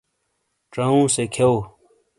ڇاؤوں سے کھیؤ۔